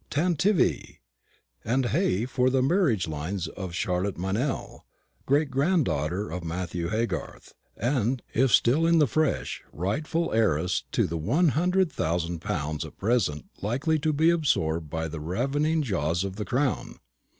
tantivy! and hey for the marriage lines of Charlotte Meynell, great granddaughter of Matthew Haygarth, and, if still in the flesh, rightful heiress to the one hundred thousand pounds at present likely to be absorbed by the ravening jaws of the Crown!